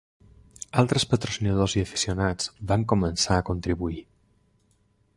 Altres patrocinadors i aficionats van començar a contribuir.